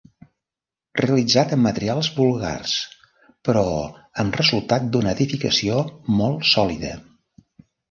Realitzat en materials vulgars però amb resultat d'una edificació molt sòlida.